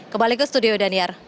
kembali ke studio dania